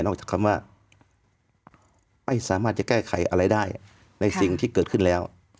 จากคำว่าไม่สามารถจะแก้ไขอะไรได้ในสิ่งที่เกิดขึ้นแล้ว